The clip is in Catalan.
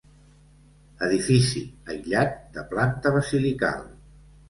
Edifici aïllat de planta basilical.